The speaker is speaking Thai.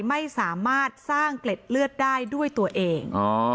ไม่สามารถสร้างเกล็ดเลือดได้ด้วยตัวเอง